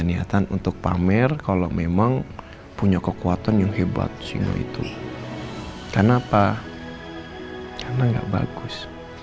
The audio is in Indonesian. niatan untuk pamer kalau memang punya kekuatan yang hebat sehingga itu kenapa karena enggak bagus